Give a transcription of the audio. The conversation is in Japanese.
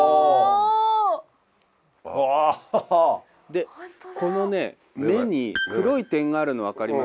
でこの目に黒い点があるの分かりますか？